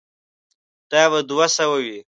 دا به دوه سوه وي.